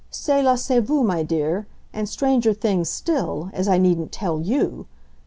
Cela s'est vu, my dear; and stranger things still as I needn't tell YOU!